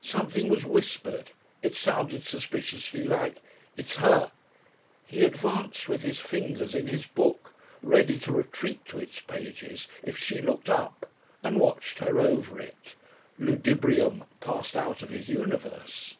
Something was whispered; it sounded suspiciously like "It's her!" He advanced with his fingers in his book, ready to retreat to its pages if she looked up, and watched her over it. Ludibrium passed out of his universe.